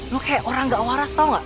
lo kayak orang gak waras tau gak